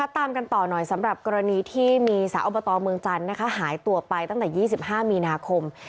ตามกันต่อหน่อยสำหรับกรณีที่มีสาวอบตเมืองจันทร์หายตัวไปตั้งแต่๒๕มีนาคม